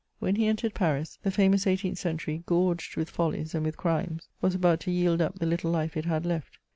When he entered Paris, • the famous eighteenth century, goi^d with follies and with crimes, was about to yield up the little life it had left.